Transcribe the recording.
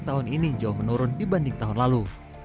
tahun ini jauh menurun dibanding tahun lalu